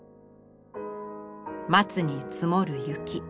松に積もる雪。